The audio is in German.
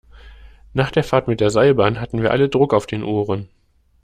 Nach der Fahrt mit der Seilbahn hatten wir alle Druck auf den Ohren.